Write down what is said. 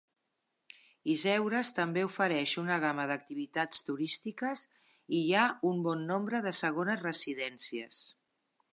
Yzeures també ofereix una gama d'activitats turístiques i hi ha un bon nombre de segones residències.